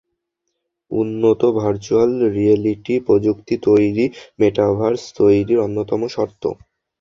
উন্নত virtual reality প্রযুক্তি তৈরি মেটাভার্স তৈরির অন্যতম শর্ত।